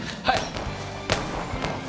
はい！